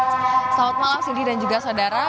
selamat malam sindi dan juga saudara